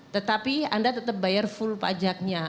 tetapi anda tetap bayar full pajaknya